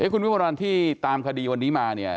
คุณวิวรรรณที่ตามคดีวันนี้มา